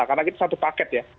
karena itu satu paket ya